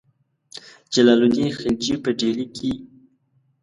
جلال الدین خلجي په ډهلي کې.